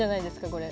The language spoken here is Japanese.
これ。